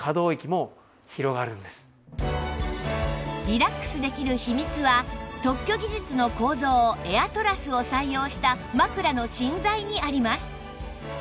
リラックスできる秘密は特許技術の構造エアトラスを採用した枕の芯材にあります